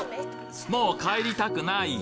もう帰りたくない！